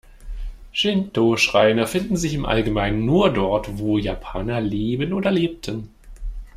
Shintō-Schreine finden sich im Allgemeinen nur dort, wo Japaner leben oder lebten.